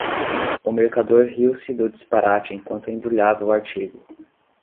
O mercador riu-se do disparate enquanto embrulhava o artigo